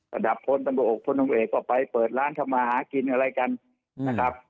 ระดับพลตำรวจอกพลตำรวจเอกก็ไปเปิดร้านทำมาหากินอะไรกันนะครับ